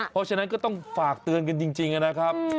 เพราะฉะนั้นก็ต้องฝากเตือนกันจริงนะครับ